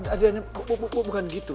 adiana bukan gitu